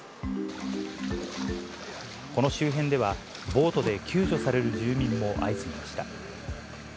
この周辺では、ボートで救助される住民も相次ぎました。